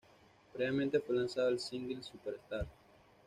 Previamente fue lanzado, el single "Superstars".